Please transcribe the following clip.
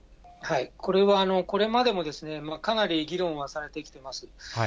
これは、これまでもかなり議論はされてきてます。